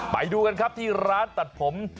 ไปดูกันครับที่ร้านตัดผม